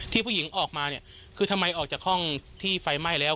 ผู้หญิงออกมาเนี่ยคือทำไมออกจากห้องที่ไฟไหม้แล้ว